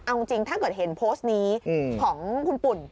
เอาจริงถ้าเกิดเห็นโพสต์นี้ของคุณปุ่น